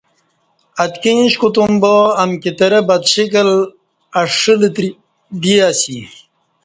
اتکی ایݩش کوتم با امکی ترہ بد شکل، اݜہ لتری دی اسی۔